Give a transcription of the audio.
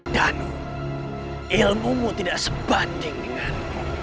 dan ilmumu tidak sebanding dengan